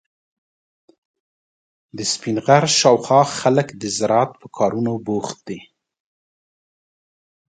د سپین غر شاوخوا خلک د زراعت په کارونو بوخت دي.